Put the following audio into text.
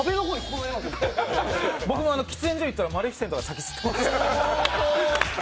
僕も喫煙所行ったらマレフィセントが先に吸ってました。